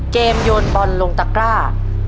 โยนบอลลงตะกร้า